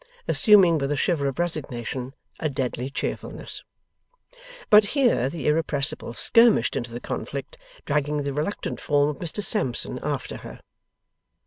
Assuming, with a shiver of resignation, a deadly cheerfulness. But, here the Irrepressible skirmished into the conflict, dragging the reluctant form of Mr Sampson after her.